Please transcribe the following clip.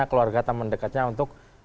keluarga teman dekatnya untuk